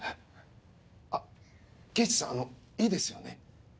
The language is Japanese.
あっ刑事さんあのいいですよね？